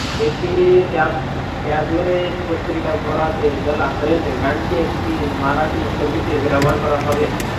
একটি ট্যাবলয়েড পত্রিকার বরাতে বলা হয়েছে, গানটি একটি মারাঠি ছবিতে ব্যবহার করা হবে।